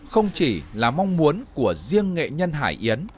không chỉ là mong muốn của riêng nghệ nhân hải yến